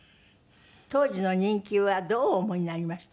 当時の人気はどうお思いになりました？